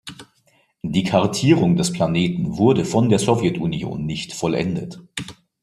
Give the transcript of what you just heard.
Die Kartierung des Planeten wurde von der Sowjetunion nicht vollendet.